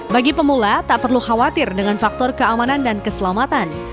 bagi pemula tak perlu khawatir dengan faktor keamanan dan keselamatan